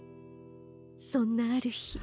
そんなあるひ。